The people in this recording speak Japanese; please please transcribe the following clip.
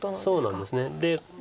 そうなんです。